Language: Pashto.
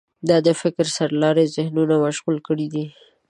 دا د فکر سرلارو ذهنونه مشغول کړي دي.